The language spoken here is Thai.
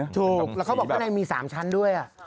แต่เขาบอกว่าในมี๓ชั้นด้วย